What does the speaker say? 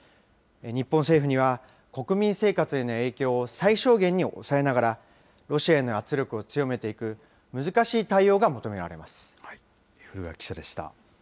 日本政府には、国民生活への影響を最小限に抑えながら、ロシアへの圧力を強めていく難しい対応が求められます。